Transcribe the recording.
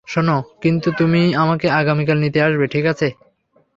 শোনো, কিন্তু তুমি আমাকে আগামীকাল নিতে আসবে, ঠিক আছে?